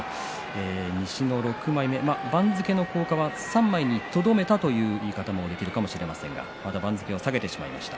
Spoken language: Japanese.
西の６枚目番付の降下は３枚にとどめたという言い方はできるかもしれませんが番付を下げてしまいました。